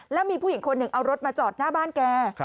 แล้วมีผู้หญิงคนหนึ่งเอารถมาจอดหน้าบ้านแก